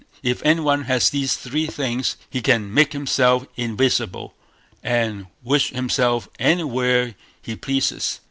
If any one has these three things, he can make himself invisible, and wish himself anywhere he pleases.